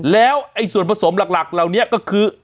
แล้วส่วนผสมหลักเหล่านี้ก็คือ